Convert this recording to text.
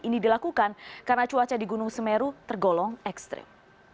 ini dilakukan karena cuaca di gunung semeru tergolong ekstrim